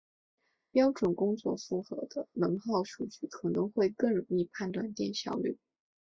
标准工作负荷的能耗数据可能会更容易判断电效率。